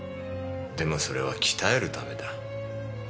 でもそれは鍛えるためだ。